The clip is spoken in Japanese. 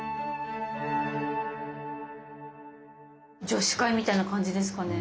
女子会みたいな感じですかね？